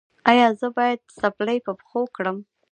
ایا زه باید څپلۍ په پښو کړم؟